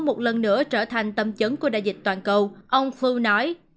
châu âu một lần nữa trở thành tâm chấn của đại dịch toàn cầu ông klu nói